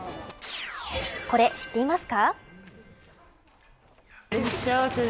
これ、知っていますか。